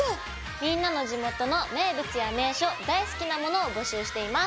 みんなの地元の名物や名所大好きなものを募集しています。